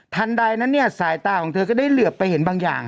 ทันใดสายตาของเธอก็ได้เหลือบไปเห็นบางอย่าง